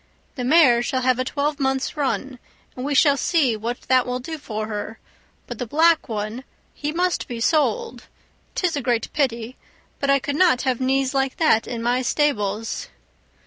The mare shall have a twelve month's run, and we shall see what that will do for her; but the black one, he must be sold; 'tis a great pity, but I could not have knees like these in my stables."